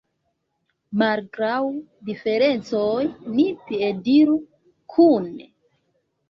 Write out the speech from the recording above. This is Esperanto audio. Malgraŭ diferencoj ni piediru kune.